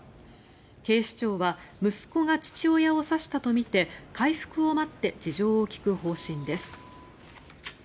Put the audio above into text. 警視庁は息子が父親を刺したとみて回復を待って事情を聴く方針です。